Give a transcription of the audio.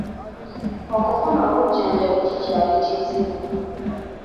Okufuna obujjanjabi kikyali kizibu.